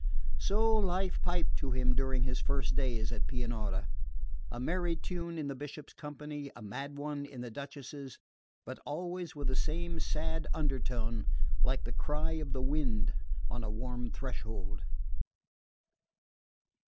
So life piped to him during his first days at Pianura: a merry tune in the Bishop's company, a mad one in the Duchess's; but always with the same sad undertone, like the cry of the wind on a warm threshold.